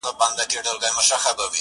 د مور نس بوخچه ده.